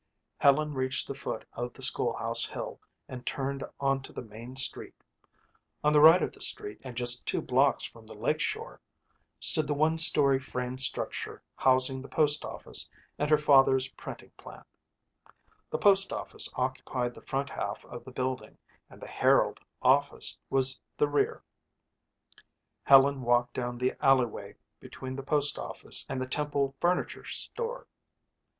Helen reached the foot of the school house hill and turned on to the main street. On the right of the street and just two blocks from the lake shore stood the one story frame structure housing the postoffice and her father's printing plant. The postoffice occupied the front half of the building and the Herald office was the rear. Helen walked down the alleyway between the postoffice and the Temple furniture store.